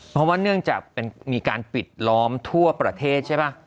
เพราะว่าเนื่องจากมีการปิดล้อมทั่วประเทศใช่ป่ะ